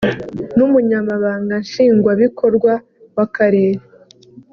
n’Umunyamabanga Nshingwabikorwa w’Akarere